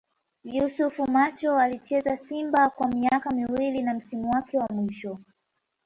Yusuf Macho Alicheza Simba kwa miaka miwili na msimu wake wa mwisho